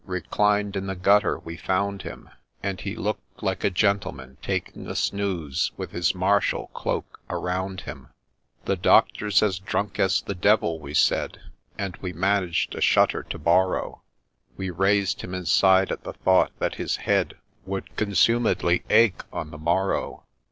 Reclined in the gutter we found him ; And he look'd like a gentleman taking a snooze, With his Marshall cloak around him. ' The Doctor 's as drunk as the d ,' we said. And we managed a shutter to borrow ; We raised him, and sigh'd at the thought that his head Would ' consumedly ache ' on the morrow.